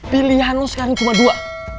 pilihan lo sekarang cuma dua